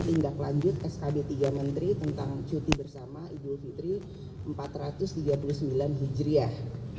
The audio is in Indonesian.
tindak lanjut skb tiga menteri tentang cuti bersama idul fitri seribu empat ratus tiga puluh sembilan hijriah